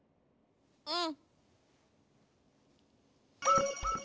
うん！